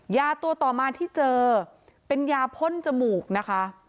ยาตัวต่อมาที่เจอเป็นยาพ่นจมูกนะคะ